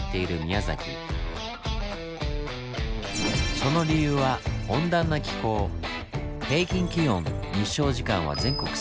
その理由は平均気温日照時間は全国３位。